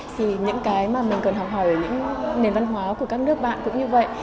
thì những cái mà mình cần học hỏi ở những nền văn hóa của các nước bạn cũng như vậy